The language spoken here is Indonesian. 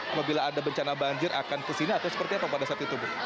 apabila ada bencana banjir akan kesini atau seperti apa pada saat itu bu